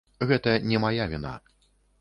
Гэта не мая віна.